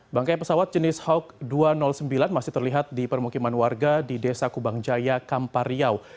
bangkai pesawat jenis hawk dua ratus sembilan masih terlihat di permukiman warga di desa kubang jaya kampar riau